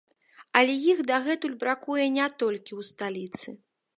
Але іх дагэтуль бракуе не толькі ў сталіцы.